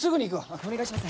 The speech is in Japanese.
お願いします。